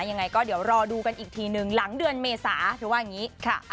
ยังไงก็เดี๋ยวรอดูกันอีกทีหนึ่งหลังเดือนเมษาเธอว่าอย่างนี้ค่ะ